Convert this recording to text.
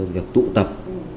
việc tụ tập